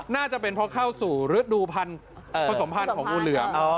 น่าจะเป็นเพราะเข้าสู่ฤดูผสมพันธ์ของงูเหลือม